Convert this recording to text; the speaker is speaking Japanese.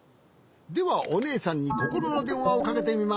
ではおねえさんにココロのでんわをかけてみます。